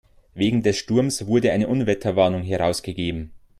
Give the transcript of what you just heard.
Wegen des Sturmes wurde eine Unwetterwarnung herausgegeben.